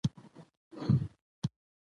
زه پښتون يم، ته ښايسته يې، دا پوره ده